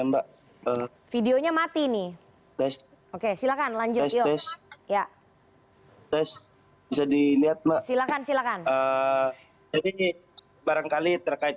mbak videonya mati nih oke silakan lanjut ya ya jadi lihat silakan silakan barangkali terkait